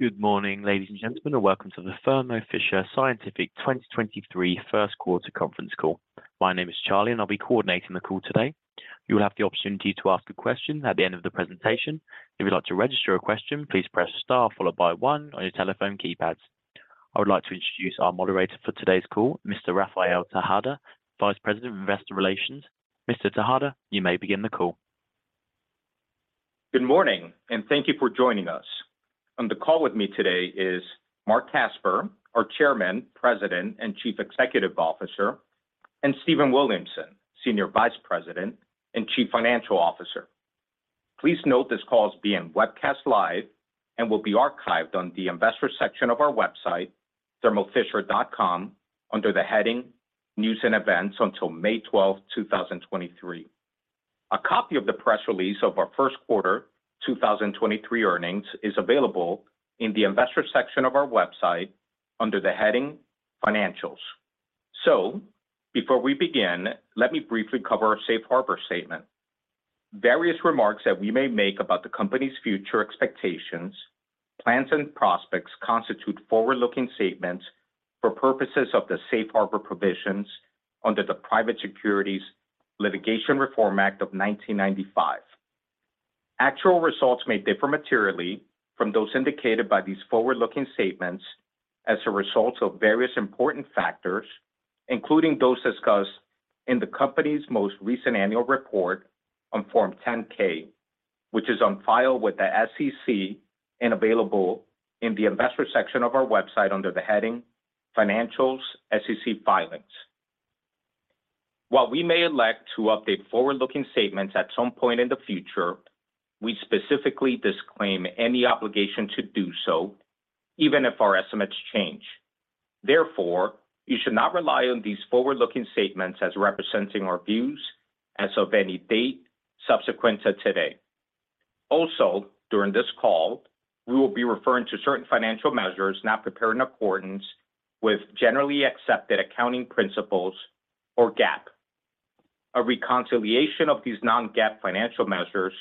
Good morning, ladies and gentlemen, and welcome to the Thermo Fisher Scientific 2023 first quarter conference call. My name is Charlie, and I'll be coordinating the call today. You will have the opportunity to ask a question at the end of the presentation. If you'd like to register a question, please press star followed by one on your telephone keypads. I would like to introduce our moderator for today's call, Mr. Rafael Tejada, Vice President of Investor Relations. Mr. Tejada, you may begin the call. Good morning, and thank you for joining us. On the call with me today is Marc Casper, our Chairman, President, and Chief Executive Officer, and Stephen Williamson, Senior Vice President and Chief Financial Officer. Please note this call is being webcast live and will be archived on the investor section of our website, thermofisher.com, under the heading News & Events until May 12th, 2023. A copy of the press release of our first quarter 2023 earnings is available in the investor section of our website under the heading Financials. Before we begin, let me briefly cover our safe harbor statement. Various remarks that we may make about the company's future expectations, plans, and prospects constitute forward-looking statements for purposes of the safe harbor provisions under the Private Securities Litigation Reform Act of 1995. Actual results may differ materially from those indicated by these forward-looking statements as a result of various important factors, including those discussed in the company's most recent annual report on Form 10-K, which is on file with the SEC and available in the investor section of our website under the heading Financials, SEC Filings. While we may elect to update forward-looking statements at some point in the future, we specifically disclaim any obligation to do so even if our estimates change. Therefore, you should not rely on these forward-looking statements as representing our views as of any date subsequent to today. During this call, we will be referring to certain financial measures not prepared in accordance with generally accepted accounting principles or GAAP. A reconciliation of these Non-GAAP financial measures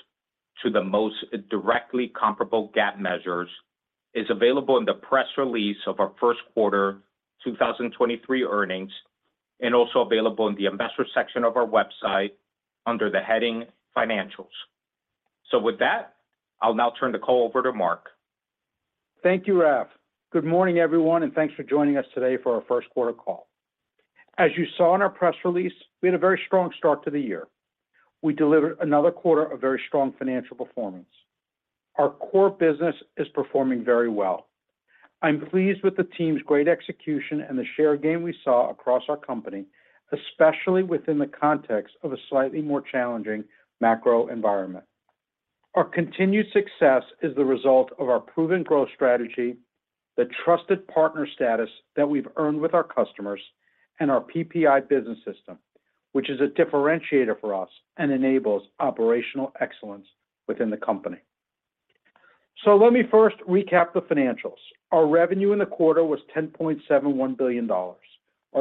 to the most directly comparable GAAP measures is available in the press release of our first quarter 2023 earnings and also available in the investor section of our website under the heading Financials. With that, I'll now turn the call over to Marc. Thank you, Raph. Good morning, everyone, and thanks for joining us today for our first quarter call. As you saw in our press release, we had a very strong start to the year. We delivered another quarter of very strong financial performance. Our core business is performing very well. I'm pleased with the team's great execution and the share gain we saw across our company, especially within the context of a slightly more challenging macro environment. Our continued success is the result of our proven growth strategy, the trusted partner status that we've earned with our customers, and our PPI business system, which is a differentiator for us and enables operational excellence within the company. Let me first recap the financials. Our revenue in the quarter was $10.71 billion. Our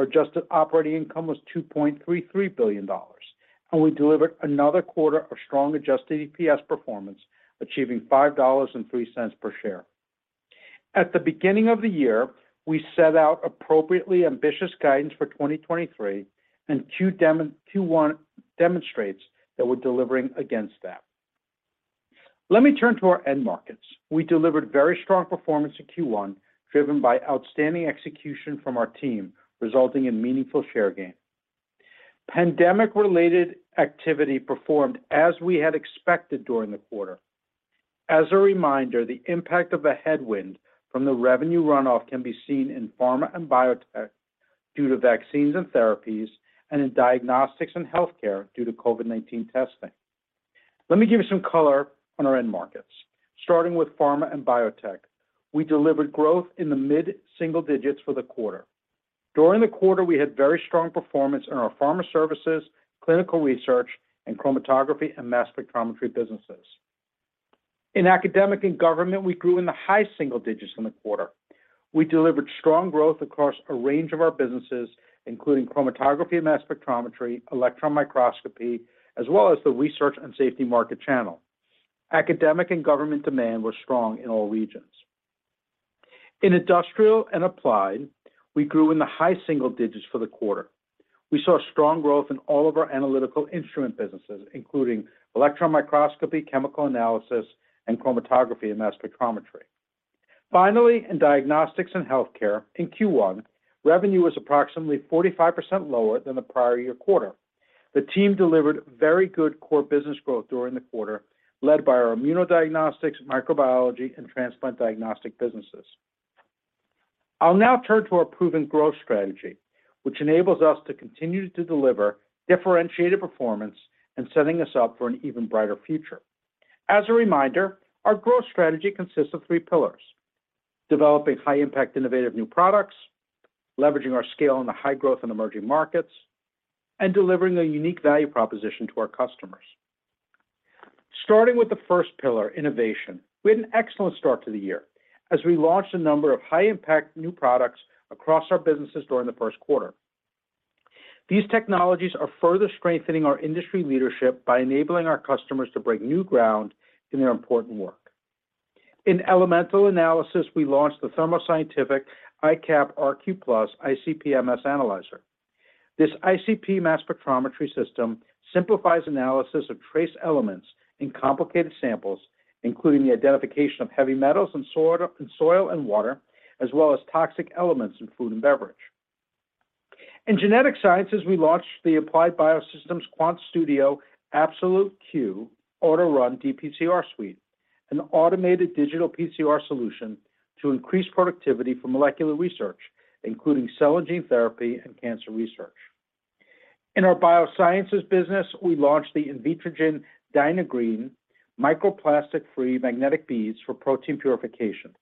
adjusted operating income was $2.33 billion. We delivered another quarter of strong adjusted EPS performance, achieving $5.03 per share. At the beginning of the year, we set out appropriately ambitious guidance for 2023, and Q1 demonstrates that we're delivering against that. Let me turn to our end markets. We delivered very strong performance in Q1, driven by outstanding execution from our team, resulting in meaningful share gain. Pandemic-related activity performed as we had expected during the quarter. As a reminder, the impact of a headwind from the revenue runoff can be seen in pharma and biotech due to vaccines and therapies and in diagnostics and healthcare due to COVID-19 testing. Let me give you some color on our end markets. Starting with pharma and biotech, we delivered growth in the mid-single digits for the quarter. During the quarter, we had very strong performance in our pharma services, clinical research, and chromatography and mass spectrometry businesses. In academic and government, we grew in the high single digits in the quarter. We delivered strong growth across a range of our businesses, including chromatography, mass spectrometry, electron microscopy, as well as the research and safety market channel. Academic and government demand was strong in all regions. In industrial and applied, we grew in the high single digits for the quarter. We saw strong growth in all of our analytical instrument businesses, including electron microscopy, chemical analysis, and chromatography and mass spectrometry. Finally, in diagnostics and healthcare, in Q1, revenue was approximately 45% lower than the prior year quarter. The team delivered very good core business growth during the quarter, led by our immunodiagnostics, microbiology, and transplant diagnostic businesses. I'll now turn to our proven growth strategy, which enables us to continue to deliver differentiated performance and setting us up for an even brighter future. As a reminder, our growth strategy consists of three pillars: developing high-impact innovative new products, leveraging our scale in the high-growth and emerging markets, and delivering a unique value proposition to our customers. Starting with the first pillar, innovation, we had an excellent start to the year as we launched a number of high-impact new products across our businesses during the first quarter. These technologies are further strengthening our industry leadership by enabling our customers to break new ground in their important work. In elemental analysis, we launched the Thermo Scientific iCAP RQplus ICP-MS analyzer. This ICP mass spectrometry system simplifies analysis of trace elements in complicated samples, including the identification of heavy metals in soil and water, as well as toxic elements in food and beverage. In genetic sciences, we launched the Applied Biosystems QuantStudio Absolute Q auto-run dPCR suite, an automated digital PCR solution to increase productivity for molecular research, including cell and gene therapy and cancer research. In our biosciences business, we launched the Invitrogen Dynabeads Microplastic-Free Magnetic Beads for protein purification.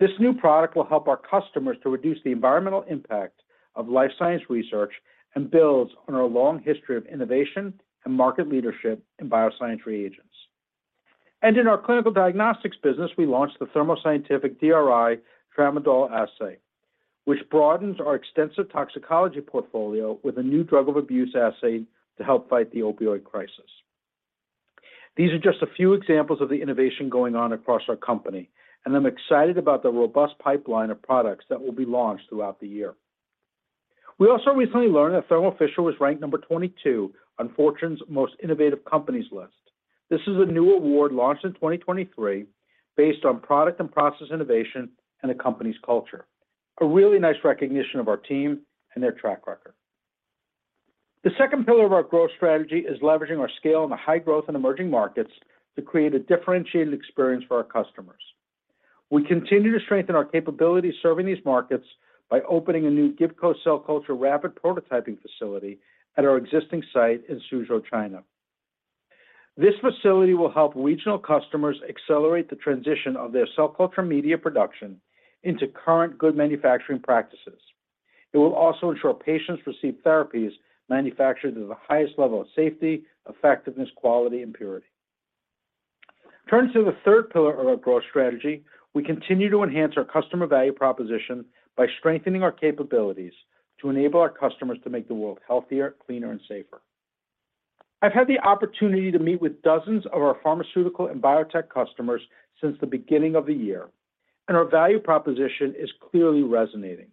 This new product will help our customers to reduce the environmental impact of life science research and builds on our long history of innovation and market leadership in bioscience reagents. In our clinical diagnostics business, we launched the Thermo Scientific DRI Tramadol Assay, which broadens our extensive toxicology portfolio with a new drug of abuse assay to help fight the opioid crisis. These are just a few examples of the innovation going on across our company, and I'm excited about the robust pipeline of products that will be launched throughout the year. We also recently learned that Thermo Fisher was ranked number 22 on Fortune's Most Innovative Companies list. This is a new award launched in 2023 based on product and process innovation and a company's culture. A really nice recognition of our team and their track record. The second pillar of our growth strategy is leveraging our scale in the high growth and emerging markets to create a differentiated experience for our customers. We continue to strengthen our capabilities serving these markets by opening a new Gibco Cell Culture Rapid Prototyping facility at our existing site in Suzhou, China. This facility will help regional customers accelerate the transition of their cell culture media production into current Good Manufacturing Practices. It will also ensure patients receive therapies manufactured to the highest level of safety, effectiveness, quality, and purity. Turning to the third pillar of our growth strategy, we continue to enhance our customer value proposition by strengthening our capabilities to enable our customers to make the world healthier, cleaner, and safer. I've had the opportunity to meet with dozens of our pharmaceutical and biotech customers since the beginning of the year, and our value proposition is clearly resonating.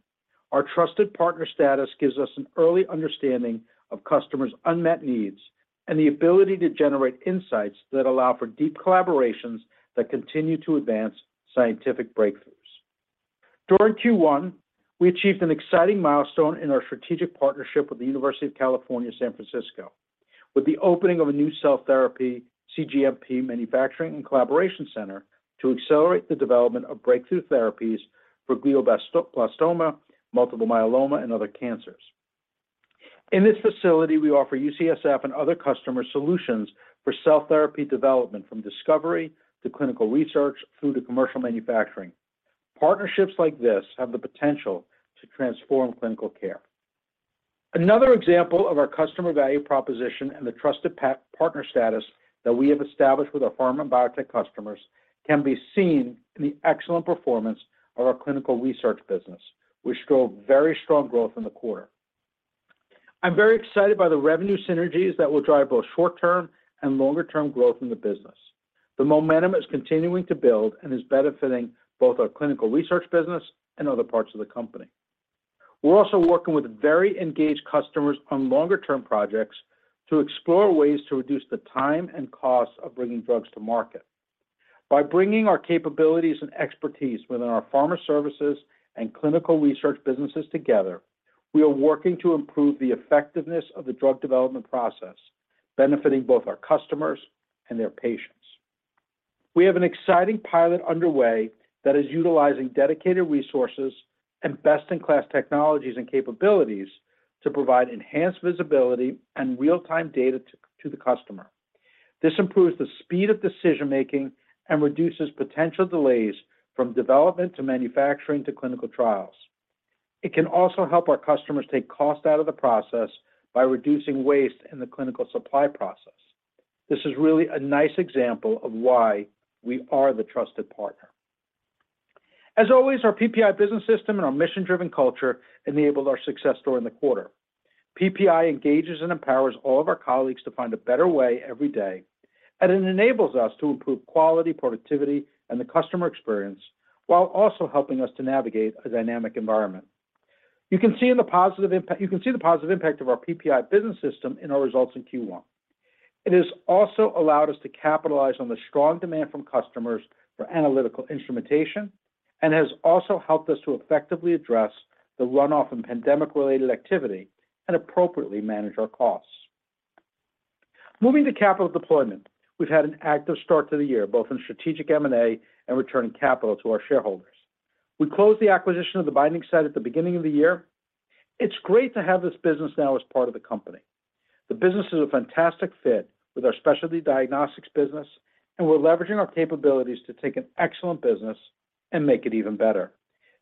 Our trusted partner status gives us an early understanding of customers' unmet needs and the ability to generate insights that allow for deep collaborations that continue to advance scientific breakthroughs. During Q1, we achieved an exciting milestone in our strategic partnership with the University of California San Francisco, with the opening of a new cell therapy cGMP manufacturing and collaboration center to accelerate the development of breakthrough therapies for glioblastoma, multiple myeloma, and other cancers. In this facility, we offer UCSF and other customers solutions for cell therapy development from discovery to clinical research through to commercial manufacturing. Partnerships like this have the potential to transform clinical care. Another example of our customer value proposition and the trusted partner status that we have established with our pharma and biotech customers can be seen in the excellent performance of our clinical research business, which showed very strong growth in the quarter. I'm very excited by the revenue synergies that will drive both short-term and longer-term growth in the business. The momentum is continuing to build and is benefiting both our clinical research business and other parts of the company. We're also working with very engaged customers on longer-term projects to explore ways to reduce the time and cost of bringing drugs to market. By bringing our capabilities and expertise within our pharma services and clinical research businesses together, we are working to improve the effectiveness of the drug development process, benefiting both our customers and their patients. We have an exciting pilot underway that is utilizing dedicated resources and best-in-class technologies and capabilities to provide enhanced visibility and real-time data to the customer. This improves the speed of decision-making and reduces potential delays from development to manufacturing to clinical trials. It can also help our customers take cost out of the process by reducing waste in the clinical supply process. This is really a nice example of why we are the trusted partner. As always, our PPI business system and our mission-driven culture enabled our success during the quarter. PPI engages and empowers all of our colleagues to find a better way every day, it enables us to improve quality, productivity, and the customer experience while also helping us to navigate a dynamic environment. You can see the positive impact of our PPI business system in our results in Q1. It has also allowed us to capitalize on the strong demand from customers for analytical instrumentation and has also helped us to effectively address the runoff in pandemic-related activity and appropriately manage our costs. Moving to capital deployment, we've had an active start to the year, both in strategic M&A and returning capital to our shareholders. We closed the acquisition of The Binding Site at the beginning of the year. It's great to have this business now as part of the company. The business is a fantastic fit with our Specialty Diagnostics business. We're leveraging our capabilities to take an excellent business and make it even better.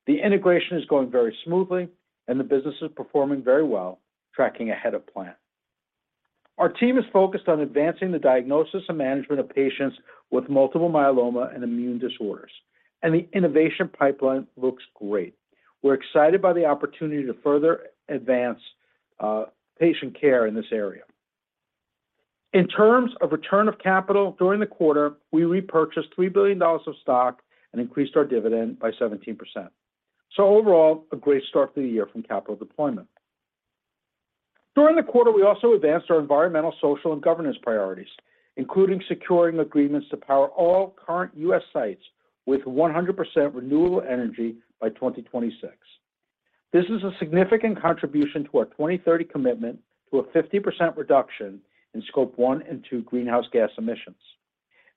The integration is going very smoothly. The business is performing very well, tracking ahead of plan. Our team is focused on advancing the diagnosis and management of patients with multiple myeloma and immune disorders. The innovation pipeline looks great. We're excited by the opportunity to further advance patient care in this area. In terms of return of capital during the quarter, we repurchased $3 billion of stock and increased our dividend by 17%. Overall, a great start to the year from capital deployment. During the quarter, we also advanced our environmental, social, and governance priorities, including securing agreements to power all current US sites with 100% renewable energy by 2026. This is a significant contribution to our 2030 commitment to a 50% reduction in Scope 1 and Scope 2 greenhouse gas emissions.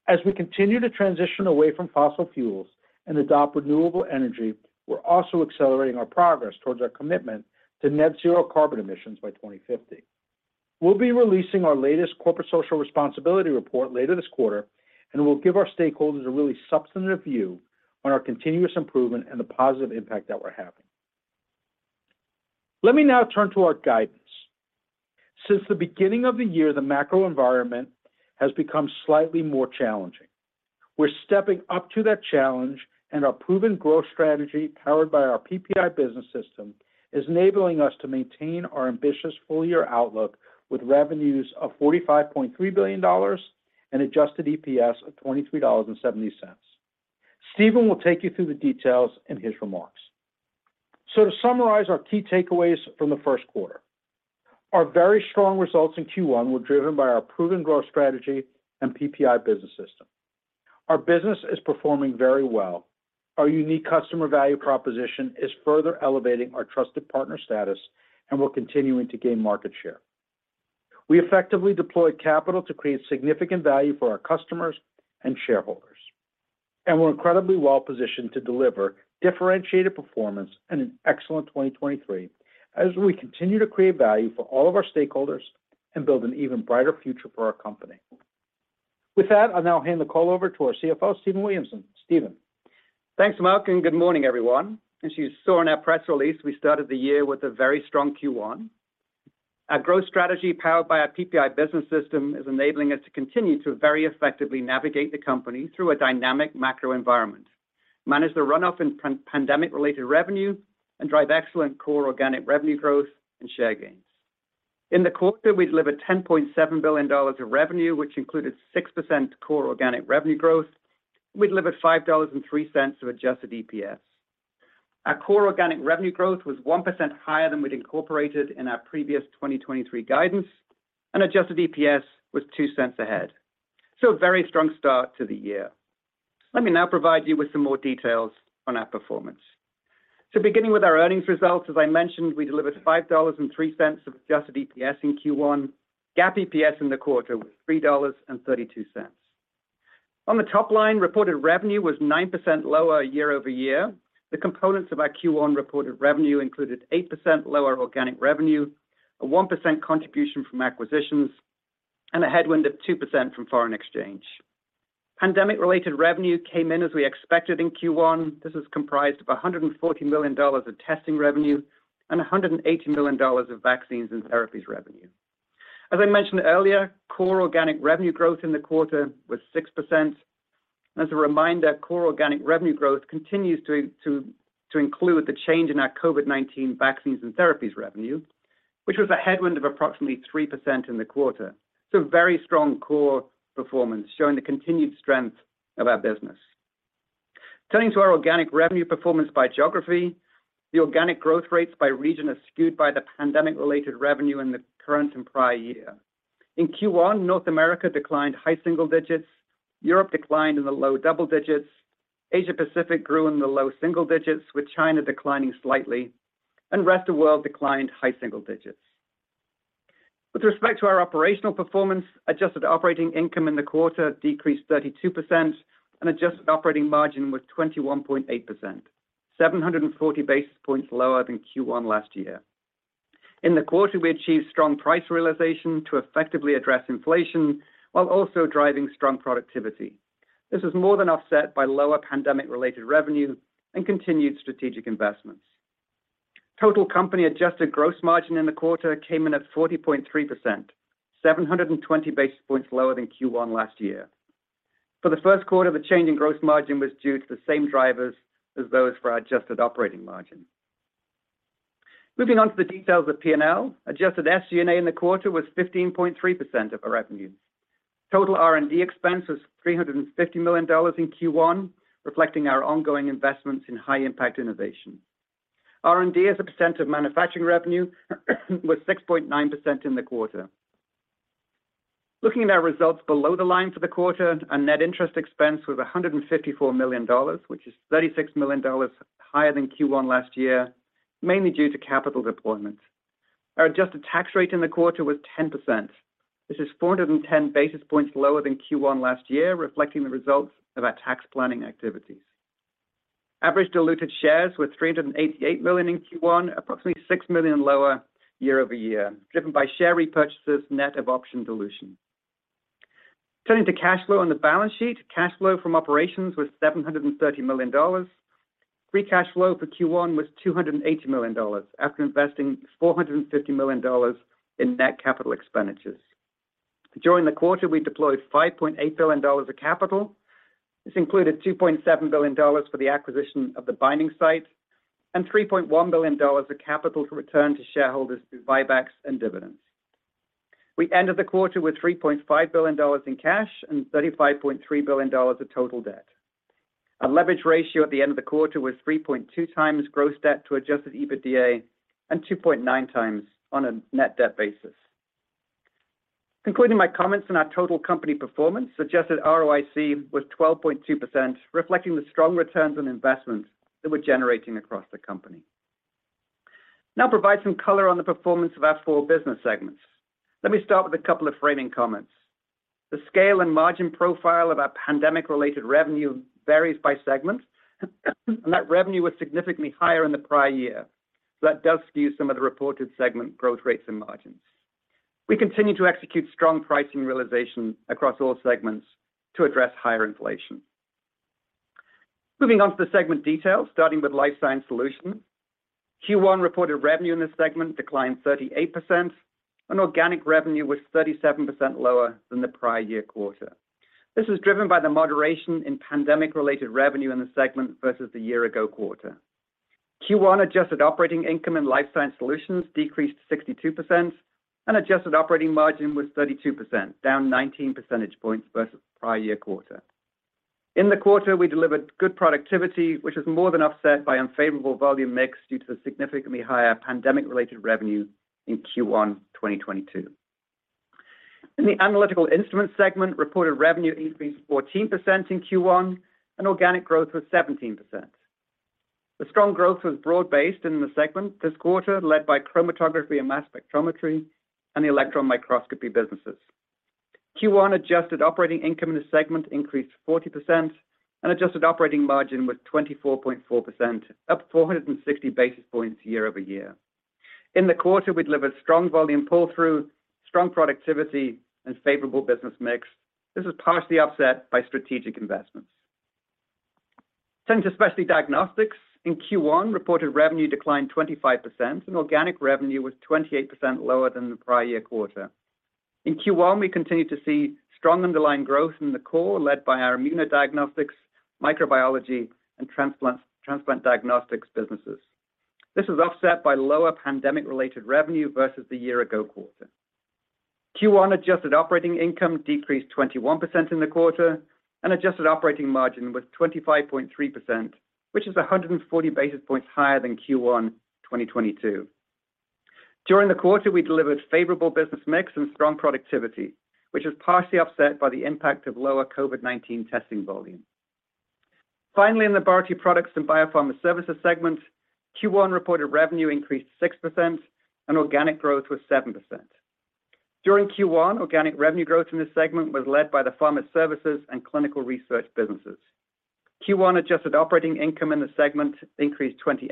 As we continue to transition away from fossil fuels and adopt renewable energy, we're also accelerating our progress towards our commitment to net zero carbon emissions by 2050. We'll be releasing our latest corporate social responsibility report later this quarter, we'll give our stakeholders a really substantive view on our continuous improvement and the positive impact that we're having. Let me now turn to our guidance. Since the beginning of the year, the macro environment has become slightly more challenging. We're stepping up to that challenge and our proven growth strategy, powered by our PPI business system, is enabling us to maintain our ambitious full-year outlook with revenues of $45.3 billion and adjusted EPS of $23.70. Stephen will take you through the details in his remarks. To summarize our key takeaways from the first quarter. Our very strong results in Q1 were driven by our proven growth strategy and PPI business system. Our business is performing very well. Our unique customer value proposition is further elevating our trusted partner status, and we're continuing to gain market share. We effectively deploy capital to create significant value for our customers and shareholders. We're incredibly well-positioned to deliver differentiated performance and an excellent 2023 as we continue to create value for all of our stakeholders and build an even brighter future for our company. With that, I'll now hand the call over to our CFO, Stephen Williamson. Stephen. Thanks, Marc, and good morning, everyone. As you saw in our press release, we started the year with a very strong Q1. Our growth strategy powered by our PPI business system is enabling us to continue to very effectively navigate the company through a dynamic macro environment, manage the runoff in pan-pandemic related revenue, and drive excellent core organic revenue growth and share gains. In the quarter, we delivered $10.7 billion of revenue, which included 6% core organic revenue growth. We delivered $5.03 of adjusted EPS. Our core organic revenue growth was 1% higher than we'd incorporated in our previous 2023 guidance, and adjusted EPS was $0.02 ahead. A very strong start to the year. Let me now provide you with some more details on our performance. Beginning with our earnings results, as I mentioned, we delivered $5.03 of adjusted EPS in Q1. GAAP EPS in the quarter was $3.32. On the top line, reported revenue was 9% lower year-over-year. The components of our Q1 reported revenue included 8% lower organic revenue, a 1% contribution from acquisitions, and a headwind of 2% from foreign exchange. Pandemic-related revenue came in as we expected in Q1. This is comprised of $140 million of testing revenue and $180 million of vaccines and therapies revenue. As I mentioned earlier, core organic revenue growth in the quarter was 6%. As a reminder, core organic revenue growth continues to include the change in our COVID-19 vaccines and therapies revenue, which was a headwind of approximately 3% in the quarter. Very strong core performance, showing the continued strength of our business. Turning to our organic revenue performance by geography, the organic growth rates by region are skewed by the pandemic-related revenue in the current and prior year. In Q1, North America declined high single digits, Europe declined in the low double digits, Asia Pacific grew in the low single digits, with China declining slightly, and rest of world declined high single digits. With respect to our operational performance, adjusted operating income in the quarter decreased 32% and adjusted operating margin was 21.8%, 740 basis points lower than Q1 last year. In the quarter, we achieved strong price realization to effectively address inflation while also driving strong productivity. This was more than offset by lower pandemic-related revenue and continued strategic investments. Total company-adjusted gross margin in the quarter came in at 40.3%, 720 basis points lower than Q1 last year. For the first quarter, the change in gross margin was due to the same drivers as those for our adjusted operating margin. Moving on to the details of P&L, adjusted SG&A in the quarter was 15.3% of our revenue. Total R&D expense was $350 million in Q1, reflecting our ongoing investments in high impact innovation. R&D as a percent of manufacturing revenue was 6.9% in the quarter. Looking at our results below the line for the quarter, our net interest expense was $154 million, which is $36 million higher than Q1 last year, mainly due to capital deployment. Our adjusted tax rate in the quarter was 10%. This is 410 basis points lower than Q1 last year, reflecting the results of our tax planning activities. Average diluted shares were 388 million in Q1, approximately 6 million lower year-over-year, driven by share repurchases net of option dilution. Turning to cash flow on the balance sheet, cash flow from operations was $730 million. Free cash flow for Q1 was $280 million after investing $450 million in net capital expenditures. During the quarter, we deployed $5.8 billion of capital. This included $2.7 billion for the acquisition of The Binding Site and $3.1 billion of capital to return to shareholders through buybacks and dividends. We ended the quarter with $3.5 billion in cash and $35.3 billion of total debt. Our leverage ratio at the end of the quarter was 3.2x gross debt to adjusted EBITDA and 2.9x on a net debt basis. Concluding my comments on our total company performance, adjusted ROIC was 12.2%, reflecting the strong returns on investments that we're generating across the company. Now provide some color on the performance of our four business segments. Let me start with a couple of framing comments. The scale and margin profile of our pandemic-related revenue varies by segment, and that revenue was significantly higher in the prior year. That does skew some of the reported segment growth rates and margins. We continue to execute strong pricing realization across all segments to address higher inflation. Moving on to the segment details, starting with Life Science Solutions. Q1 reported revenue in this segment declined 38%, organic revenue was 37% lower than the prior year quarter. This was driven by the moderation in pandemic-related revenue in the segment versus the year-ago quarter. Q1 adjusted operating income in Life Science Solutions decreased 62%, adjusted operating margin was 32%, down 19 percentage points versus the prior year quarter. In the quarter, we delivered good productivity, which was more than offset by unfavorable volume mix due to the significantly higher pandemic-related revenue in Q1 2022. In the Analytical Instruments segment, reported revenue increased 14% in Q1, organic growth was 17%. The strong growth was broad-based in the segment this quarter, led by chromatography and mass spectrometry and the electron microscopy businesses. Q1 adjusted operating income in the segment increased 40% and adjusted operating margin was 24.4%, up 460 basis points year-over-year. In the quarter, we delivered strong volume pull-through, strong productivity, and favorable business mix. This was partially offset by strategic investments. Turning to Specialty Diagnostics. In Q1, reported revenue declined 25%, and organic revenue was 28% lower than the prior year quarter. In Q1, we continued to see strong underlying growth in the core, led by our immunodiagnostics, microbiology, and transplant diagnostics businesses. This was offset by lower pandemic-related revenue versus the year-ago quarter. Q1 adjusted operating income decreased 21% in the quarter, and adjusted operating margin was 25.3%, which is 140 basis points higher than Q1 2022. During the quarter, we delivered favorable business mix and strong productivity, which was partially offset by the impact of lower COVID-19 testing volume. Finally, in the Laboratory Products and Biopharma Services segment, Q1 reported revenue increased 6%, and organic growth was 7%. During Q1, organic revenue growth in this segment was led by the pharma services and clinical research businesses. Q1 adjusted operating income in the segment increased 28%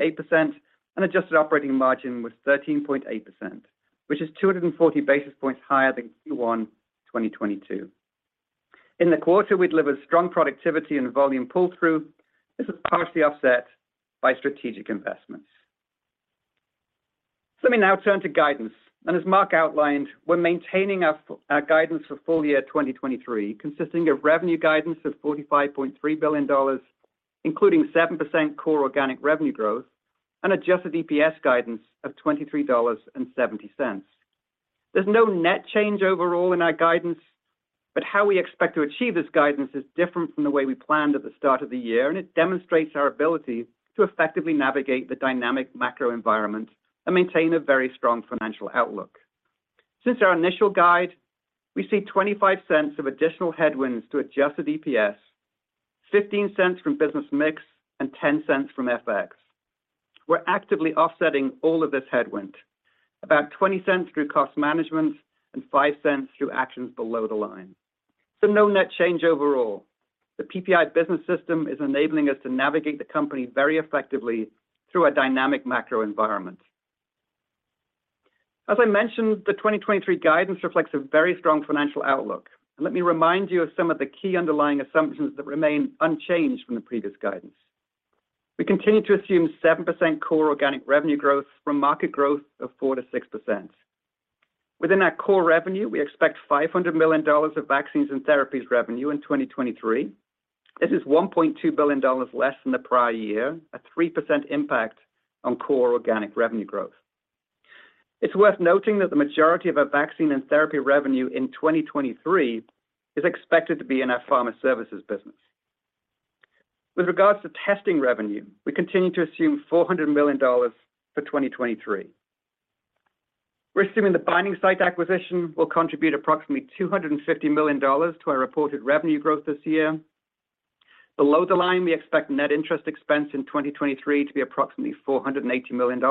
and adjusted operating margin was 13.8%, which is 240 basis points higher than Q1 2022. In the quarter, we delivered strong productivity and volume pull-through. This was partially offset by strategic investments. Let me now turn to guidance. As Marc outlined, we're maintaining our guidance for full year 2023, consisting of revenue guidance of $45.3 billion, including 7% core organic revenue growth and adjusted EPS guidance of $23.70. There's no net change overall in our guidance, but how we expect to achieve this guidance is different from the way we planned at the start of the year, and it demonstrates our ability to effectively navigate the dynamic macro environment and maintain a very strong financial outlook. Since our initial guide, we see $0.25 of additional headwinds to adjusted EPS, $0.15 from business mix, and $0.10 from FX. We're actively offsetting all of this headwind, about $0.20 through cost management and $0.05 through actions below the line. No net change overall. The PPI business system is enabling us to navigate the company very effectively through a dynamic macro environment. As I mentioned, the 2023 guidance reflects a very strong financial outlook. Let me remind you of some of the key underlying assumptions that remain unchanged from the previous guidance. We continue to assume 7% core organic revenue growth from market growth of 4%-6%. Within our core revenue, we expect $500 million of vaccines and therapies revenue in 2023. This is $1.2 billion less than the prior year, a 3% impact on core organic revenue growth. It's worth noting that the majority of our vaccine and therapy revenue in 2023 is expected to be in our pharma services business. With regards to testing revenue, we continue to assume $400 million for 2023. We're assuming The Binding Site acquisition will contribute approximately $250 million to our reported revenue growth this year. Below the line, we expect net interest expense in 2023 to be approximately $480 million.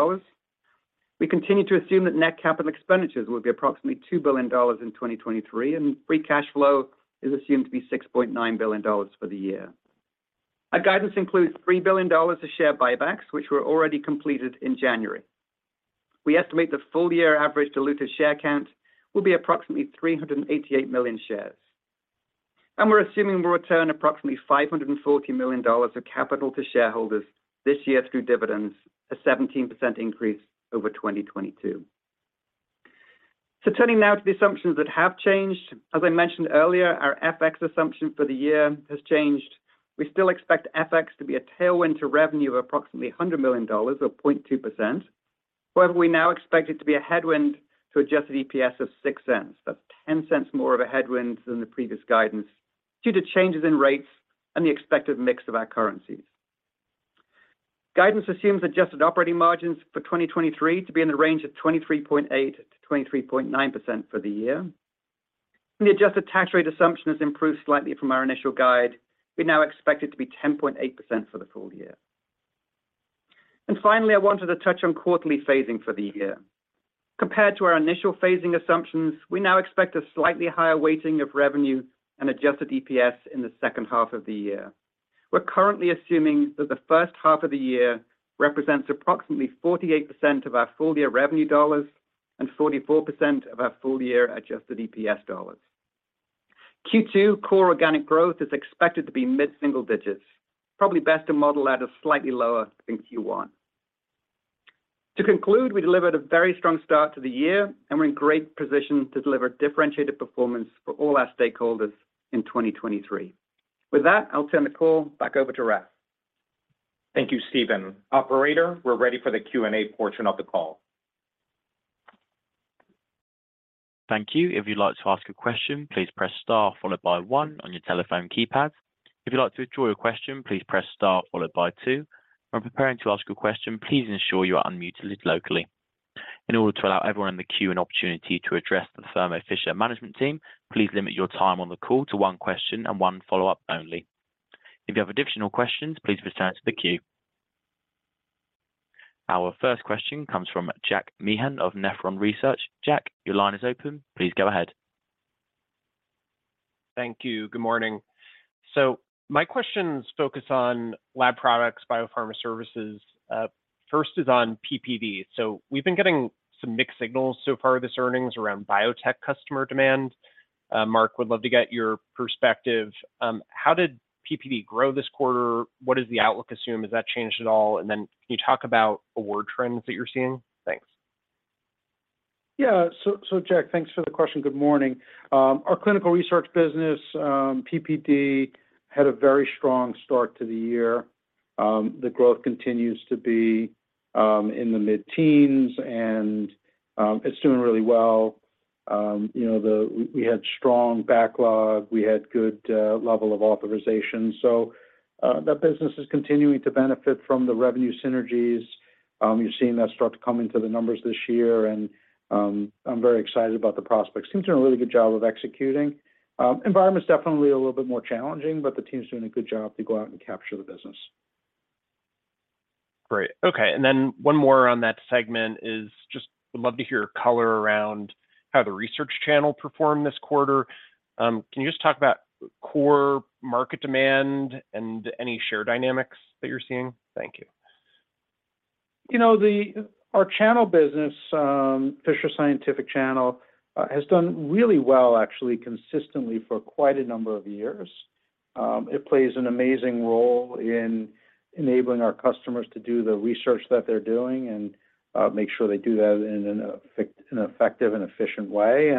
We continue to assume that net capital expenditures will be approximately $2 billion in 2023, and free cash flow is assumed to be $6.9 billion for the year. Our guidance includes $3 billion of share buybacks, which were already completed in January. We estimate the full year average diluted share count will be approximately 388 million shares. We're assuming we'll return approximately $540 million of capital to shareholders this year through dividends, a 17% increase over 2022. Turning now to the assumptions that have changed. As I mentioned earlier, our FX assumption for the year has changed. We still expect FX to be a tailwind to revenue of approximately $100 million or 0.2%. However, we now expect it to be a headwind to adjusted EPS of $0.06. That's $0.10 more of a headwind than the previous guidance due to changes in rates and the expected mix of our currencies. Guidance assumes adjusted operating margins for 2023 to be in the range of 23.8%-23.9% for the year. The adjusted tax rate assumption has improved slightly from our initial guide. We now expect it to be 10.8% for the full year. Finally, I wanted to touch on quarterly phasing for the year. Compared to our initial phasing assumptions, we now expect a slightly higher weighting of revenue and adjusted EPS in the second half of the year. We're currently assuming that the first half of the year represents approximately 48% of our full year revenue dollars and 44% of our full year adjusted EPS dollars. Q2 core organic growth is expected to be mid-single digits, probably best to model out as slightly lower than Q1. To conclude, we delivered a very strong start to the year, and we're in great position to deliver differentiated performance for all our stakeholders in 2023. With that, I'll turn the call back over to Raff. Thank you, Stephen. Operator, we're ready for the Q&A portion of the call. Thank you. If you'd like to ask a question, please press star followed by one on your telephone keypad. If you'd like to withdraw your question, please press star followed by two. When preparing to ask a question, please ensure you are unmuted locally. In order to allow everyone in the queue an opportunity to address the Thermo Fisher management team, please limit your time on the call to one question and one follow-up only. If you have additional questions, please return to the queue. Our first question comes from Jack Meehan of Nephron Research. Jack, your line is open. Please go ahead. Thank you. Good morning. My questions focus on Lab Products, Biopharma Services. First is on PPD. We've been getting some mixed signals so far this earnings around biotech customer demand. Marc, would love to get your perspective, how did PPD grow this quarter? What does the outlook assume? Has that changed at all? Can you talk about award trends that you're seeing? Thanks. Jack, thanks for the question. Good morning. Our clinical research business, PPD, had a very strong start to the year. The growth continues to be in the mid-teens, and it's doing really well. You know, we had strong backlog. We had good level of authorization. That business is continuing to benefit from the revenue synergies. You're seeing that start to come into the numbers this year, and I'm very excited about the prospects. Team's doing a really good job of executing. Environment's definitely a little bit more challenging, but the team's doing a good job to go out and capture the business. Great. Okay. One more on that segment is just would love to hear color around how the research channel performed this quarter. Can you just talk about core market demand and any share dynamics that you're seeing? Thank you. You know, our channel business, Fisher Scientific channel, has done really well, actually, consistently for quite a number of years. It plays an amazing role in enabling our customers to do the research that they're doing and make sure they do that in an effective and efficient way.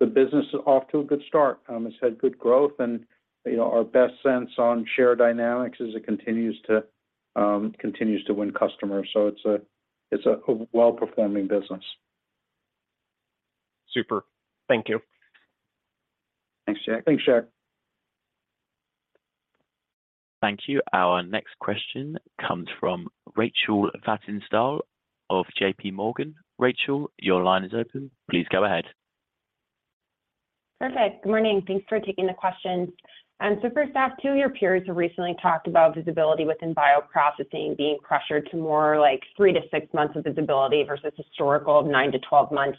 The business is off to a good start. It's had good growth, and, you know, our best sense on share dynamics is it continues to win customers. It's a well-performing business. Super. Thank you. Thanks, Jack. Thanks, Jack. Thank you. Our next question comes from Rachel Vatnsdal of JPMorgan. Rachel, your line is open. Please go ahead. Perfect. Good morning. Thanks for taking the questions. First off, two of your peers have recently talked about visibility within bioprocessing being pressured to more like three to six months of visibility versus historical of 9 months-12 months.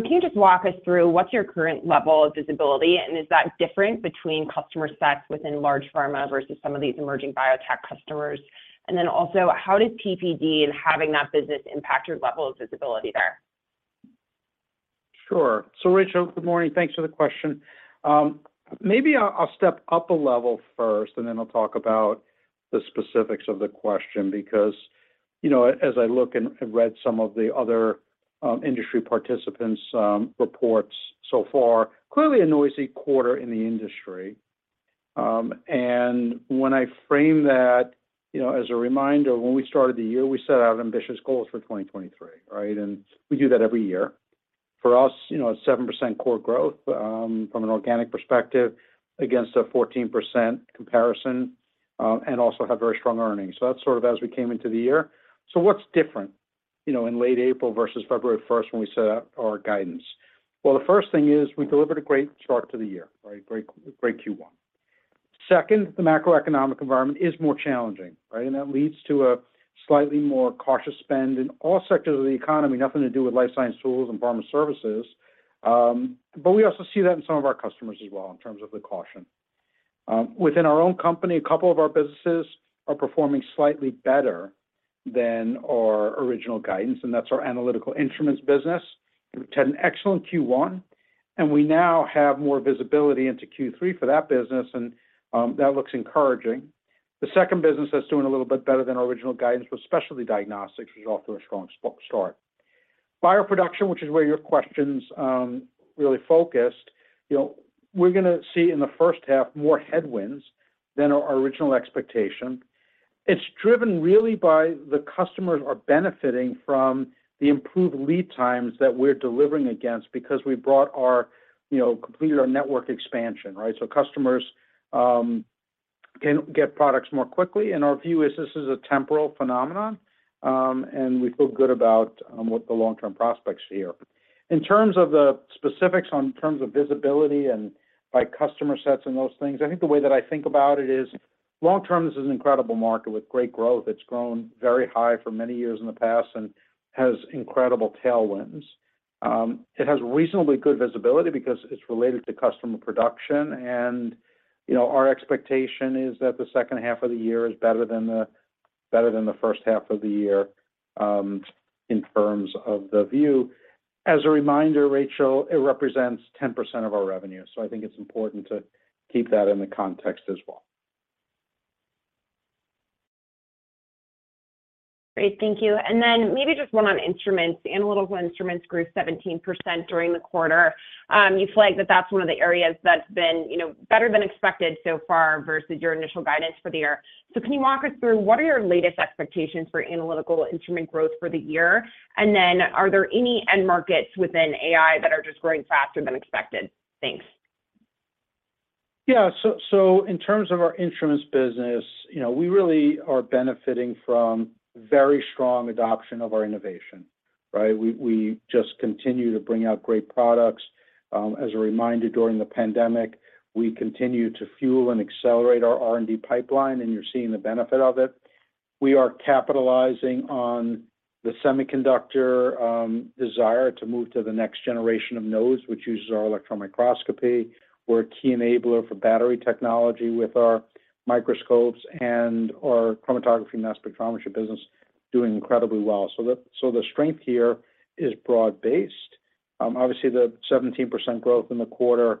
Can you just walk us through what's your current level of visibility, and is that different between customer sets within large pharma versus some of these emerging biotech customers? How does PPD and having that business impact your level of visibility there? Sure. Rachel, good morning. Thanks for the question. Maybe I'll step up a level first, and then I'll talk about the specifics of the question because, you know, as I look and read some of the other, industry participants', reports so far, clearly a noisy quarter in the industry. And when I frame that, you know, as a reminder, when we started the year, we set out ambitious goals for 2023, right? And we do that every year. For us, you know, it's 7% core growth, from an organic perspective against a 14% comparison, and also have very strong earnings. That's sort of as we came into the year. What's different, you know, in late April versus February 1st when we set out our guidance? The first thing is we delivered a great start to the year, right? Great Q1. Second, the macroeconomic environment is more challenging, right? That leads to a slightly more cautious spend in all sectors of the economy, nothing to do with life science tools and pharma services, but we also see that in some of our customers as well in terms of the caution. Within our own company, a couple of our businesses are performing slightly better than our original guidance. That's our Analytical Instruments business. It had an excellent Q1. We now have more visibility into Q3 for that business. That looks encouraging. The second business that's doing a little bit better than our original guidance was Specialty Diagnostics, which is off to a strong start. Bioproduction, which is where your question's really focused, you know, we're gonna see in the first half more headwinds than our original expectation. It's driven really by the customers are benefiting from the improved lead times that we're delivering against because we brought our, you know, completed our network expansion, right? Customers can get products more quickly. Our view is this is a temporal phenomenon. We feel good about what the long-term prospects here. In terms of the specifics on terms of visibility and by customer sets and those things, I think the way that I think about it is long term, this is an incredible market with great growth. It's grown very high for many years in the past and has incredible tailwinds. It has reasonably good visibility because it's related to customer production and, you know, our expectation is that the second half of the year is better than the first half of the year in terms of the view. As a reminder, Rachel, it represents 10% of our revenue. I think it's important to keep that in the context as well. Great. Thank you. Maybe just one on instruments. Analytical Instruments grew 17% during the quarter. You flagged that that's one of the areas that's been, you know, better than expected so far versus your initial guidance for the year. Can you walk us through what are your latest expectations for Analytical Instrument growth for the year? Are there any end markets within AI that are just growing faster than expected? Thanks. Yeah. So in terms of our instruments business, you know, we really are benefiting from very strong adoption of our innovation, right? We just continue to bring out great products. As a reminder, during the pandemic, we continued to fuel and accelerate our R&D pipeline, and you're seeing the benefit of it. We are capitalizing on the semiconductor desire to move to the next generation of nodes, which uses our electron microscopy. We're a key enabler for battery technology with our microscopes and our chromatography mass spectrometry business doing incredibly well. So the strength here is broad-based. Obviously the 17% growth in the quarter,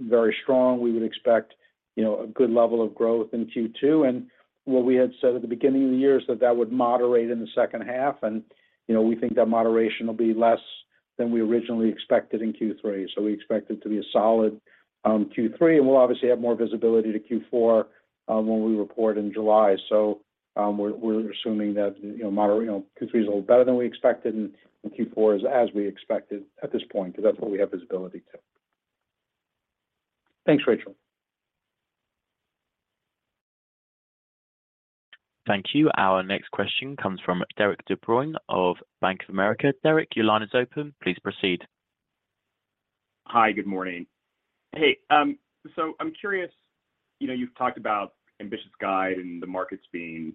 very strong. We would expect, you know, a good level of growth in Q2. What we had said at the beginning of the year is that that would moderate in the second half. You know, we think that moderation will be less than we originally expected in Q3. We expect it to be a solid Q3, and we'll obviously have more visibility to Q4 when we report in July. We're assuming that, you know, moderate, you know, Q3 is a little better than we expected and Q4 is as we expected at this point, 'cause that's what we have visibility to. Thanks, Rachel. Thank you. Our next question comes from Derik De Bruinof Bank of America. Derek, your line is open. Please proceed. Hi, good morning. Hey, I'm curious, you know, you've talked about ambitious guide and the markets being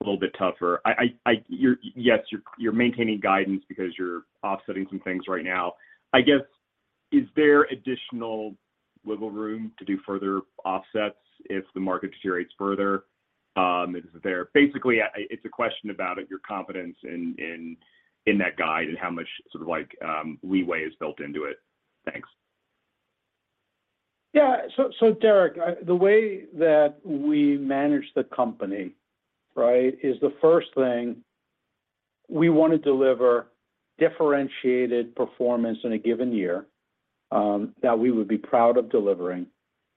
a little bit tougher. Yes, you're maintaining guidance because you're offsetting some things right now. I guess, is there additional wiggle room to do further offsets if the market deteriorates further? Basically, it's a question about your confidence in that guide and how much sort of like leeway is built into it. Thanks. Yeah. Derek, the way that we manage the company, right, is the first thing we wanna deliver differentiated performance in a given year, that we would be proud of delivering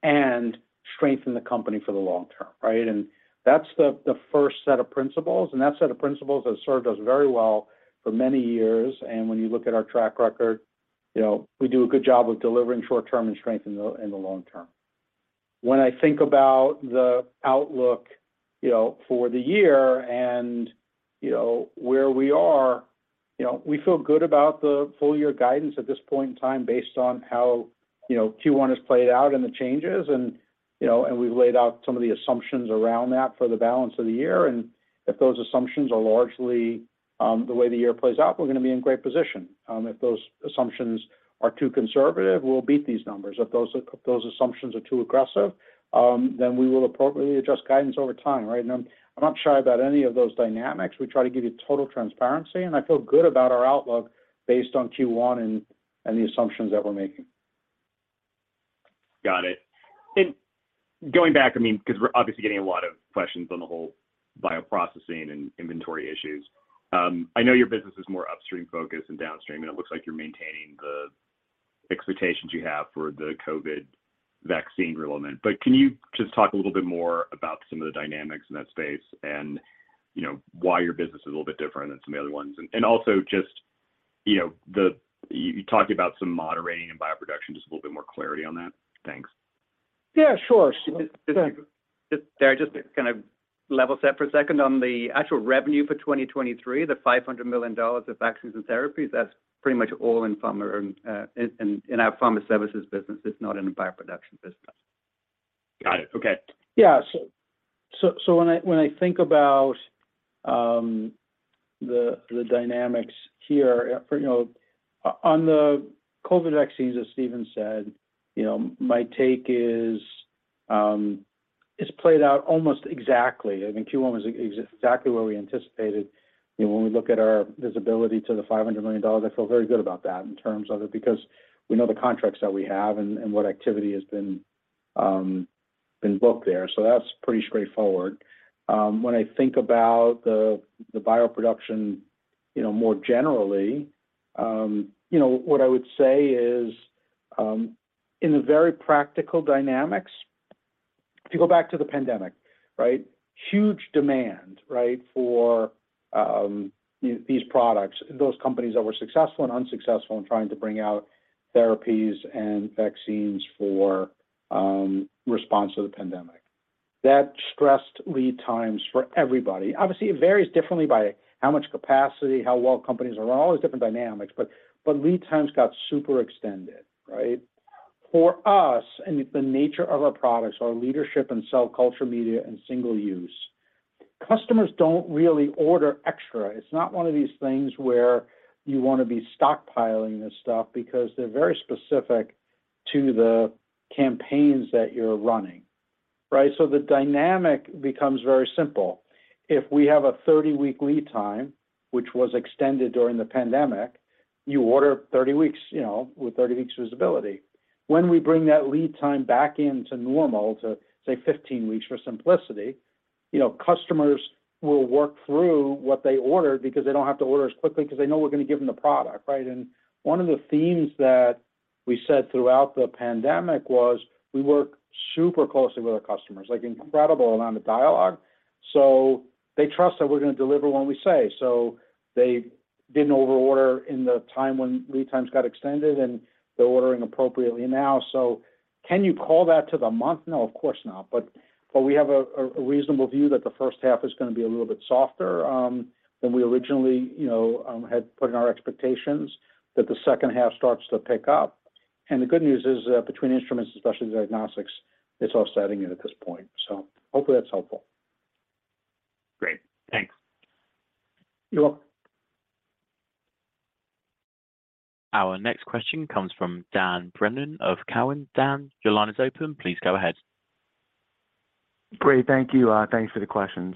and strengthen the company for the long term, right? That's the first set of principles, and that set of principles has served us very well for many years. When you look at our track record, you know, we do a good job of delivering short term and strength in the long term. When I think about the outlook, you know, for the year and, you know, where we are, you know, we feel good about the full year guidance at this point in time based on how, you know, Q1 has played out and the changes and, you know, we've laid out some of the assumptions around that for the balance of the year. If those assumptions are largely the way the year plays out, we're gonna be in great position. If those assumptions are too conservative, we'll beat these numbers. If those assumptions are too aggressive, then we will appropriately adjust guidance over time, right? I'm not shy about any of those dynamics. We try to give you total transparency, and I feel good about our outlook based on Q1 and the assumptions that we're making. Got it. Going back, I mean, 'cause we're obviously getting a lot of questions on the whole bioprocessing and inventory issues. I know your business is more upstream focused than downstream, and it looks like you're maintaining the expectations you have for the COVID vaccine relevant. Can you just talk a little bit more about some of the dynamics in that space and you know, why your business is a little bit different than some of the other ones? And also just, you know, You talked about some moderating in bioproduction. Just a little bit more clarity on that. Thanks. Yeah, sure. Just, Derek, just to kind of level set for a second on the actual revenue for 2023, the $500 million of vaccines and therapies, that's pretty much all in pharma, in our pharma services business. It's not in the bioproduction business. Got it. Okay. Yeah. When I think about the dynamics here for, you know, on the COVID vaccines, as Stephen said, you know, my take is, it's played out almost exactly. I think Q1 was exactly where we anticipated. You know, when we look at our visibility to the $500 million, I feel very good about that in terms of it, because we know the contracts that we have and what activity has been booked there. That's pretty straightforward. When I think about the bioproduction, you know, more generally, you know, what I would say is, in the very practical dynamics, if you go back to the pandemic, right? Huge demand, right, for these products. Those companies that were successful and unsuccessful in trying to bring out therapies and vaccines for response to the pandemic. That stressed lead times for everybody. Obviously, it varies differently by how much capacity, how well companies are run, all these different dynamics, but lead times got super extended, right? For us, and the nature of our products, our leadership in cell culture, media, and single use, customers don't really order extra. It's not one of these things where you wanna be stockpiling this stuff because they're very specific to the campaigns that you're running, right? The dynamic becomes very simple. If we have a 30-week lead time, which was extended during the pandemic, you order 30 weeks, you know, with 30 weeks visibility. When we bring that lead time back into normal to, say, 15 weeks for simplicity, you know, customers will work through what they ordered because they don't have to order as quickly because they know we're going to give them the product, right? One of the themes that we said throughout the pandemic was we work super closely with our customers, like, incredible amount of dialogue. They trust that we're gonna deliver when we say. They didn't over-order in the time when lead times got extended, and they're ordering appropriately now. Can you call that to the month? No, of course not. We have a reasonable view that the first half is gonna be a little bit softer than we originally, you know, had put in our expectations that the second half starts to pick up. The good news is, between instruments, especially the diagnostics, it's all setting in at this point. Hopefully that's helpful. Great. Thanks. You're welcome. Our next question comes from Dan Brennan of Cowen. Dan, your line is open. Please go ahead. Great. Thank you. Thanks for the questions.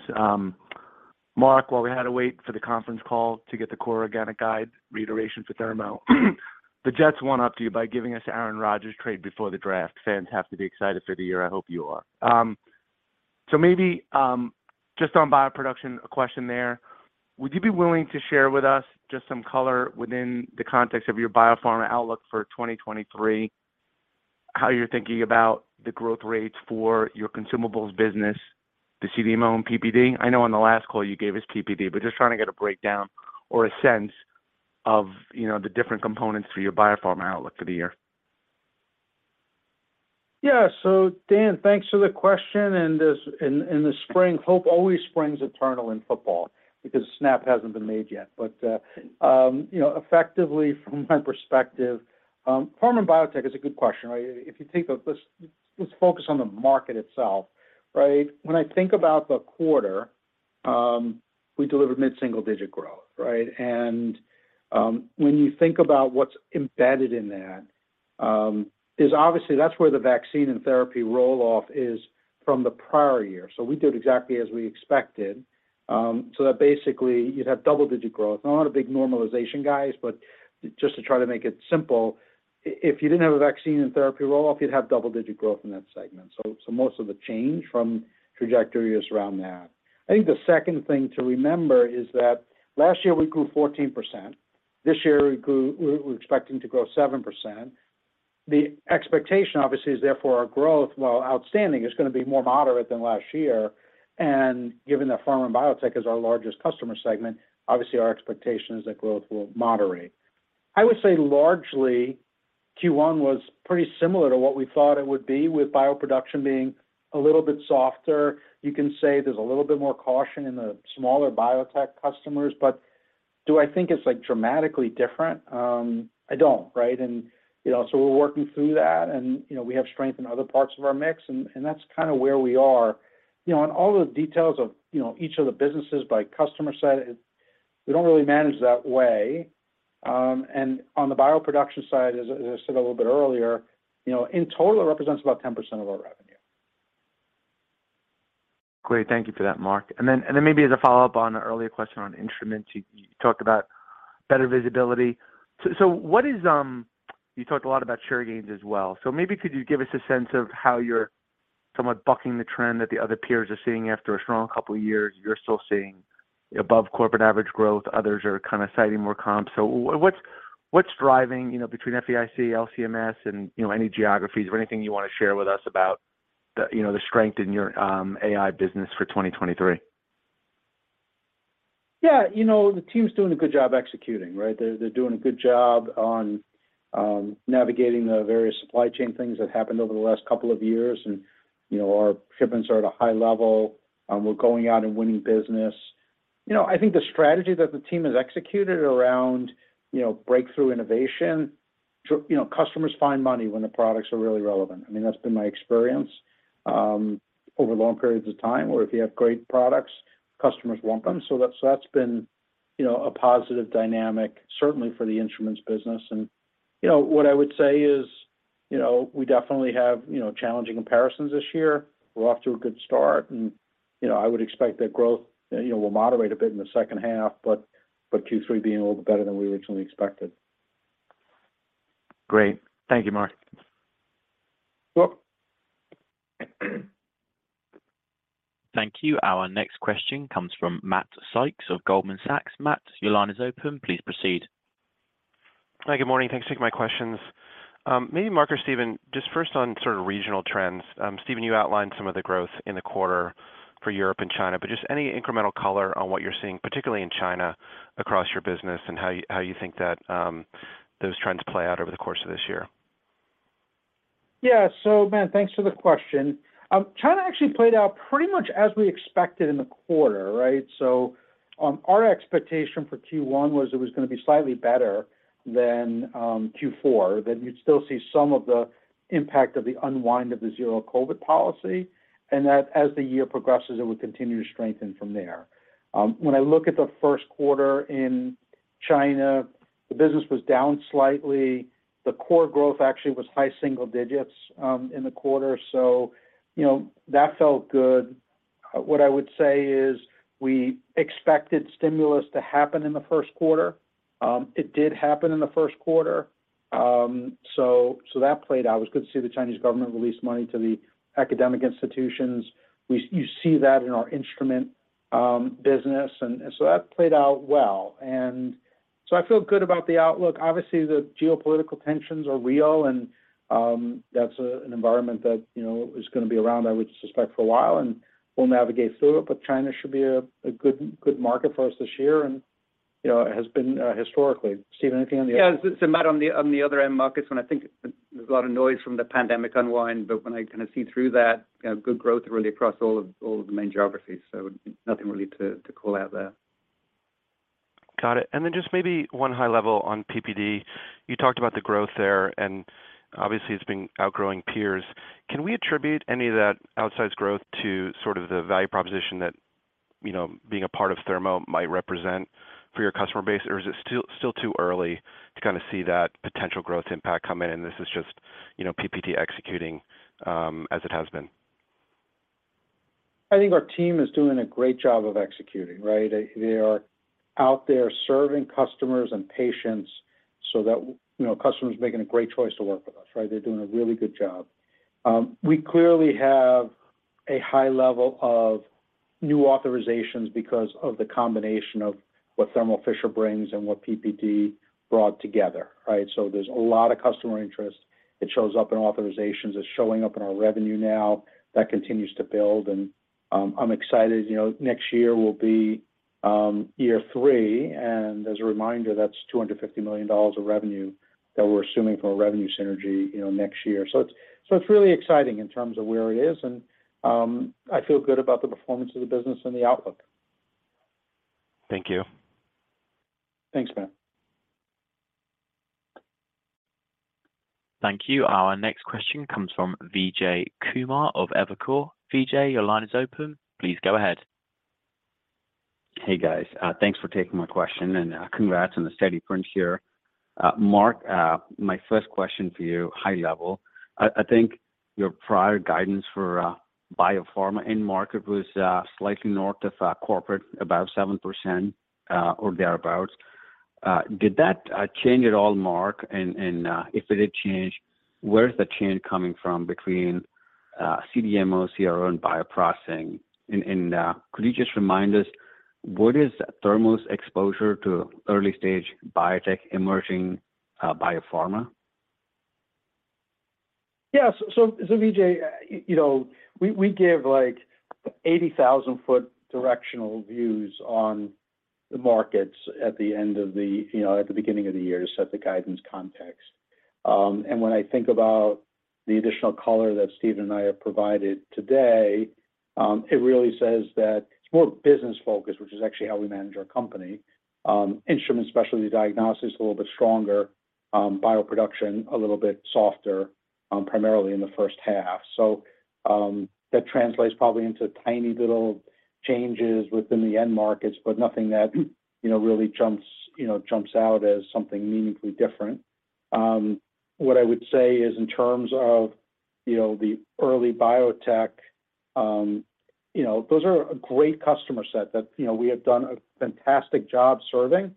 Marc, while we had to wait for the conference call to get the core organic guide reiteration for Thermo, the Jets one-upped you by giving us Aaron Rodgers trade before the draft. Fans have to be excited for the year. I hope you are. Maybe, just on bioproduction, a question there. Would you be willing to share with us just some color within the context of your biopharma outlook for 2023, how you're thinking about the growth rates for your consumables business, the CDMO and PPD? I know on the last call you gave us PPD, but just trying to get a breakdown or a sense of, you know, the different components for your biopharma outlook for the year. Yeah. Dan, thanks for the question, as in the spring, hope always springs eternal in football because the snap hasn't been made yet. You know, effectively, from my perspective, pharma and biotech is a good question, right? Let's focus on the market itself, right? When I think about the quarter, we delivered mid-single-digit growth, right? When you think about what's embedded in that, is obviously that's where the vaccine and therapy roll-off is from the prior year. We did exactly as we expected, basically you'd have double-digit growth. Not a big normalization guys, just to try to make it simple, if you didn't have a vaccine and therapy roll-off, you'd have double-digit growth in that segment. Most of the change from trajectory is around that. I think the second thing to remember is that last year we grew 14%. This year we're expecting to grow 7%. The expectation, obviously, is therefore our growth, while outstanding, is going to be more moderate than last year. Given that pharma and biotech is our largest customer segment, obviously our expectation is that growth will moderate. I would say largely Q1 was pretty similar to what we thought it would be, with bioproduction being a little bit softer. You can say there's a little bit more caution in the smaller biotech customers. Do I think it's, like, dramatically different? I don't, right? You know, so we're working through that and, you know, we have strength in other parts of our mix, and that's kind of where we are. You know, on all the details of, you know, each of the businesses by customer set, we don't really manage that way. On the bioproduction side, as I said a little bit earlier, you know, in total, it represents about 10% of our revenue. Great. Thank you for that, Marc. Then, then maybe as a follow-up on an earlier question on instruments, you talked about better visibility. You talked a lot about share gains as well. Maybe could you give us a sense of how you're somewhat bucking the trend that the other peers are seeing after a strong couple of years? You're still seeing above corporate average growth. Others are kind of citing more comps. What's driving, you know, between FIC, LCMS and, you know, any geographies or anything you want to share with us about the, you know, the strength in your AI business for 2023? Yeah. You know, the team's doing a good job executing, right? They're doing a good job on navigating the various supply chain things that happened over the last couple of years. You know, our shipments are at a high level. We're going out and winning business. You know, I think the strategy that the team has executed around, you know, breakthrough innovation. You know, customers find money when the products are really relevant. I mean, that's been my experience over long periods of time, where if you have great products, customers want them. That, that's been, you know, a positive dynamic, certainly for the instruments business. You know, what I would say is, you know, we definitely have, you know, challenging comparisons this year. We're off to a good start and, you know, I would expect that growth, you know, will moderate a bit in the second half, but Q3 being a little bit better than we originally expected. Great. Thank you, Marc. You're welcome. Thank you. Our next question comes from Matt Sykes of Goldman Sachs. Matt, your line is open. Please proceed. Hi, good morning. Thanks for taking my questions. Maybe Marc or Stephen, just first on sort of regional trends. Stephen, you outlined some of the growth in the quarter for Europe and China, but just any incremental color on what you're seeing, particularly in China across your business, and how you think that those trends play out over the course of this year? Matt, thanks for the question. China actually played out pretty much as we expected in the quarter, right? Our expectation for Q1 was it was gonna be slightly better than Q4, that you'd still see some of the impact of the unwind of the Zero-COVID policy, and that as the year progresses, it would continue to strengthen from there. When I look at the first quarter in China, the business was down slightly. The core growth actually was high single digits in the quarter, you know, that felt good. What I would say is we expected stimulus to happen in the first quarter. It did happen in the first quarter. That played out. It was good to see the Chinese government release money to the academic institutions. You see that in our instrument business and so that played out well. I feel good about the outlook. Obviously, the geopolitical tensions are real and that's an environment that, you know, is gonna be around, I would suspect, for a while, and we'll navigate through it. China should be a good market for us this year and, you know, it has been historically. Stephen, anything on the other. Yeah. Matt, on the other end markets, when I think there's a lot of noise from the pandemic unwind, but when I kind of see through that, you know, good growth really across all of the main geographies, so nothing really to call out there. Got it. Then just maybe one high level on PPD. You talked about the growth there, and obviously it's been outgrowing peers. Can we attribute any of that outsized growth to sort of the value proposition that, you know, being a part of Thermo might represent for your customer base? Or is it still too early to kind of see that potential growth impact come in and this is just, you know, PPD executing as it has been? I think our team is doing a great job of executing, right? They are out there serving customers and patients so that, you know, customers are making a great choice to work with us, right? They're doing a really good job. We clearly have a high level of new authorizations because of the combination of what Thermo Fisher brings and what PPD brought together, right? There's a lot of customer interest. It shows up in authorizations, it's showing up in our revenue now. That continues to build and I'm excited. You know, next year will be year three, and as a reminder, that's $250 million of revenue that we're assuming for revenue synergy, you know, next year. It's really exciting in terms of where it is and, I feel good about the performance of the business and the outlook. Thank you. Thanks, Matt. Thank you. Our next question comes from Vijay Kumar of Evercore. Vijay, your line is open. Please go ahead. Hey, guys. Thanks for taking my question. Congrats on the steady print here. Mark, my first question for you, high level. I think your prior guidance for biopharma end market was slightly north of corporate, about 7%, or thereabouts. Did that change at all, Mark? If it did change, where is the change coming from between CDMO, CRO, and bioprocessing? Could you just remind us what is Thermo's exposure to early-stage biotech emerging biopharma? Yeah. Vijay, you know, we give, like, 80,000-foot directional views on the markets at the end of the, you know, at the beginning of the year to set the guidance context. When I think about the additional color that Stephen and I have provided today, it really says that it's more business-focused, which is actually how we manage our company. Instruments, Specialty Diagnostics, a little bit stronger. Bioproduction, a little bit softer, primarily in the first half. That translates probably into tiny little changes within the end markets, but nothing that, you know, really jumps out as something meaningfully different. What I would say is in terms of, you know, the early biotech, you know, those are a great customer set that, you know, we have done a fantastic job serving.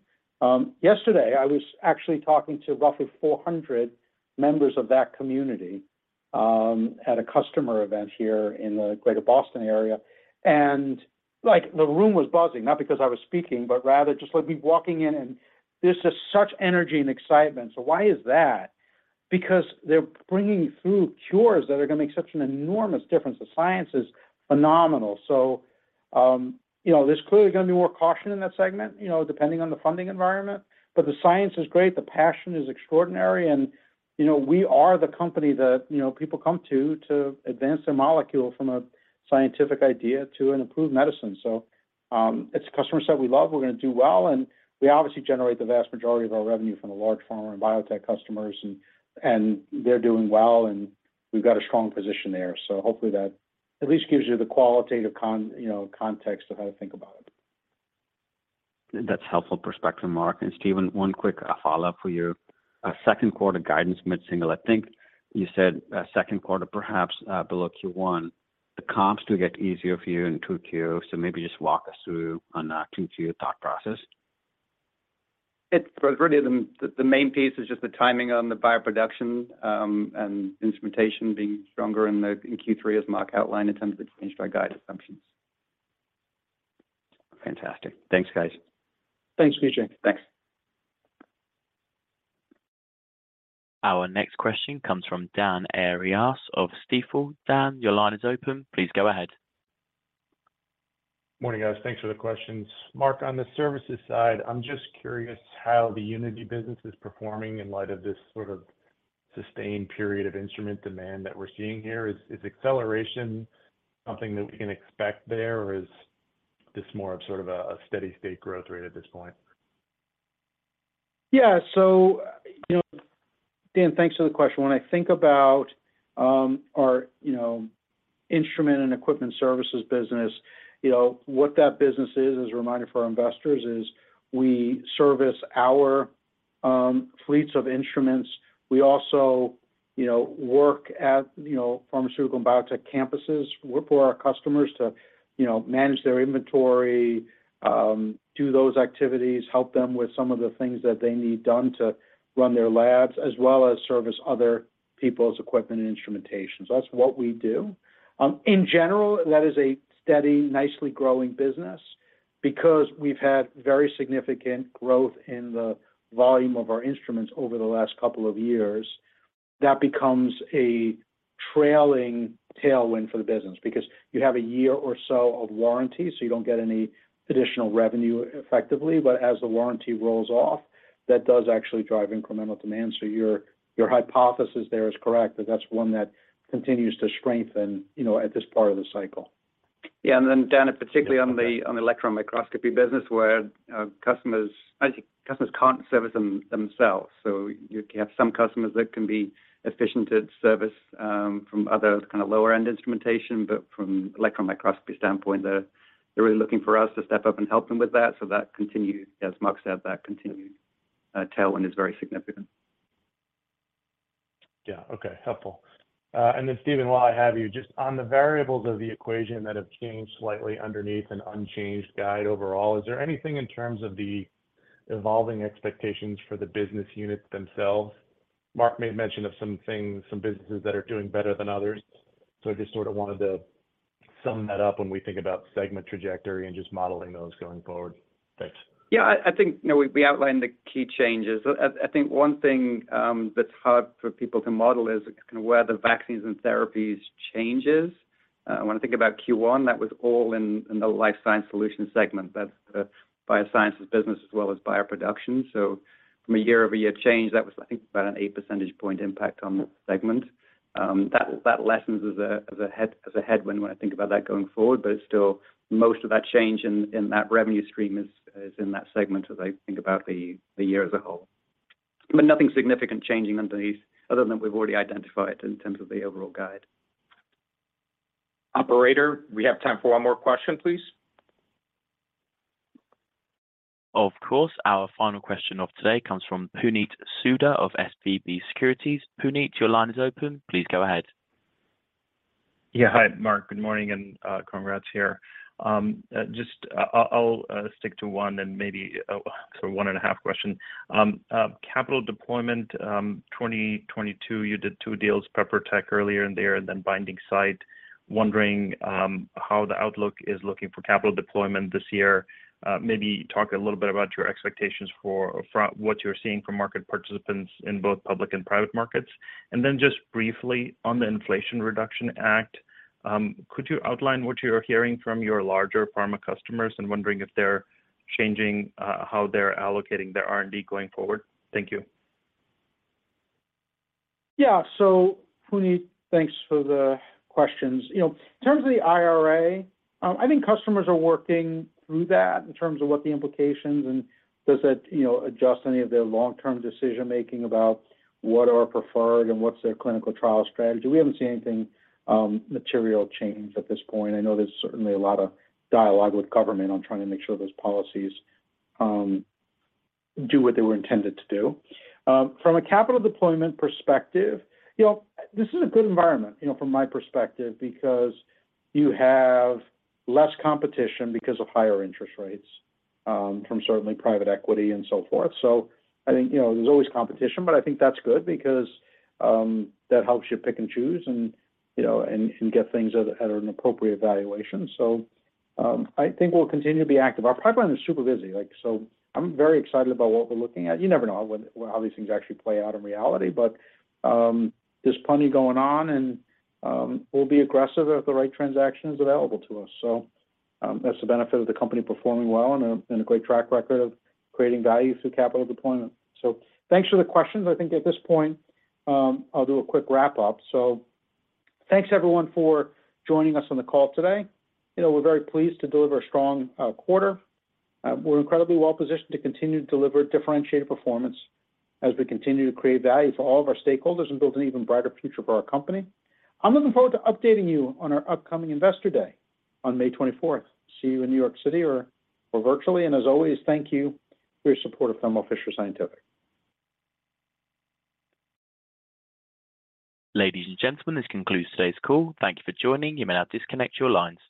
Yesterday I was actually talking to roughly 400 members of that community at a customer event here in the Greater Boston area. Like, the room was buzzing, not because I was speaking, but rather just like me walking in and there's just such energy and excitement. Why is that? Because they're bringing through cures that are gonna make such an enormous difference. The science is phenomenal. You know, there's clearly gonna be more caution in that segment, you know, depending on the funding environment, but the science is great, the passion is extraordinary. You know, we are the company that, you know, people come to to advance their molecule from a scientific idea to an approved medicine. It's the customers that we love, we're gonna do well, and we obviously generate the vast majority of our revenue from the large pharma and biotech customers, and they're doing well, and we've got a strong position there. Hopefully that at least gives you the qualitative you know, context of how to think about it. That's helpful perspective, Marc. Stephen, one quick follow-up for you. Second quarter guidance mid-single, I think you said, second quarter, perhaps, below Q1. The comps do get easier for you in Q2, maybe just walk us through on that Q2 thought process. Well, really the main piece is just the timing on the bioproduction, and instrumentation being stronger in the, in Q3, as Marc outlined, in terms of the change to our guidance functions. Fantastic. Thanks, guys. Thanks, Vijay. Thanks. Our next question comes from Dan Arias of Stifel. Dan, your line is open. Please go ahead. Morning, guys. Thanks for the questions. Marc, on the services side, I'm just curious how the Unity business is performing in light of this sort of sustained period of instrument demand that we're seeing here. Is acceleration something that we can expect there, or is this more of sort of a steady state growth rate at this point? Yeah, you know, Dan, thanks for the question. When I think about our, you know, instrument and equipment services business, you know, what that business is, as a reminder for our investors, is we service our fleets of instruments. We also, you know, work at, you know, pharmaceutical and biotech campuses for our customers to, you know, manage their inventory, do those activities, help them with some of the things that they need done to run their labs, as well as service other people's equipment and instrumentation. That's what we do. In general, that is a steady, nicely growing business. Because we've had very significant growth in the volume of our instruments over the last couple of years, that becomes a trailing tailwind for the business because you have a year or so of warranty, so you don't get any additional revenue effectively. As the warranty rolls off, that does actually drive incremental demand. Your hypothesis there is correct, that that's one that continues to strengthen, you know, at this part of the cycle. Yeah. Dan, particularly on the electron microscopy business where customers, I think customers can't service them themselves. You can have some customers that can be efficient at service from other kind of lower end instrumentation. From electron microscopy standpoint, they're really looking for us to step up and help them with that continues. As Marc said, that continued tailwind is very significant. Yeah. Okay. Helpful. Stephen, while I have you, just on the variables of the equation that have changed slightly underneath an unchanged guide overall, is there anything in terms of the evolving expectations for the business units themselves? Marc made mention of some things, some businesses that are doing better than others. I just sort of wanted to sum that up when we think about segment trajectory and just modeling those going forward. Thanks. Yeah, I think, you know, we outlined the key changes. I think one thing that's hard for people to model is kinda where the vaccines and therapies changes. When I think about Q1, that was all in the Life Science Solutions segment. That's the biosciences business as well as bioproduction. From a year-over-year change, that was I think about an 8 percentage point impact on that segment. That lessens as a headwind when I think about that going forward. It's still most of that change in that revenue stream is in that segment as I think about the year as a whole. Nothing significant changing underneath other than we've already identified in terms of the overall guide. Operator, we have time for one more question, please. Of course. Our final question of today comes from Puneet Souda of SVB Securities. Puneet, your line is open. Please go ahead. Yeah. Hi, Marc. Good morning and, congrats here. Just I'll stick to one and maybe sort of one and a half question. Capital deployment, 2022, you did two deals, PeproTech earlier in the year and then The Binding Site. Wondering how the outlook is looking for capital deployment this year. Maybe talk a little bit about your expectations from what you're seeing from market participants in both public and private markets. Just briefly on the Inflation Reduction Act, could you outline what you're hearing from your larger pharma customers and wondering if they're changing how they're allocating their R&D going forward? Thank you. Yeah. Puneet, thanks for the questions. You know, in terms of the IRA, I think customers are working through that in terms of what the implications and does that, you know, adjust any of their long-term decision-making about what are preferred and what's their clinical trial strategy. We haven't seen anything material change at this point. I know there's certainly a lot of dialogue with government on trying to make sure those policies do what they were intended to do. From a capital deployment perspective, you know, this is a good environment, you know, from my perspective because you have less competition because of higher interest rates from certainly private equity and so forth. I think, you know, there's always competition, but I think that's good because that helps you pick and choose and, you know, and get things at a, at an appropriate valuation. I think we'll continue to be active. Our pipeline is super busy. Like, so I'm very excited about what we're looking at. You never know what, how these things actually play out in reality, but there's plenty going on and we'll be aggressive if the right transaction is available to us. That's the benefit of the company performing well and a, and a great track record of creating value through capital deployment. Thanks for the questions. I think at this point, I'll do a quick wrap up. Thanks everyone for joining us on the call today. You know, we're very pleased to deliver a strong quarter. We're incredibly well positioned to continue to deliver differentiated performance as we continue to create value for all of our stakeholders and build an even brighter future for our company. I'm looking forward to updating you on our upcoming Investor Day on May 24th. See you in New York City or virtually. As always, thank you for your support of Thermo Fisher Scientific. Ladies and gentlemen, this concludes today's call. Thank you for joining. You may now disconnect your lines.